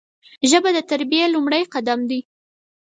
ژبه د تربیې لومړی قدم دی